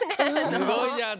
すごいじゃん。